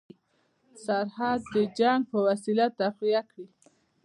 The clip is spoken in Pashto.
سرحد د جنګ په وسیله تقویه کړي.